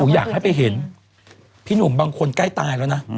อยากให้ไปเห็นพี่หนุ่มบางคนใกล้ตายแล้วนะ